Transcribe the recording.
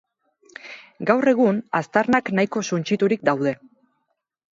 Gaur egun, aztarnak nahiko suntsiturik daude.